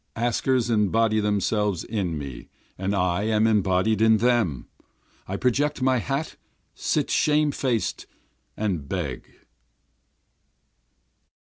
Askers embody themselves in me and I am embodied in them, I project my hat, sit shame faced, and beg.